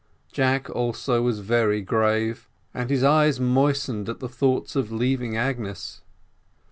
Jack also was very grave, and his eyes moistened at the thoughts of leaving Agnes.